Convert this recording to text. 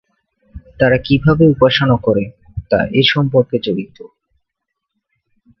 তারা কীভাবে উপাসনা করে তা এ সম্পর্কে জড়িত।